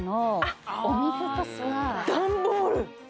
段ボール！